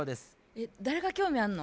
えっ誰が興味あんの？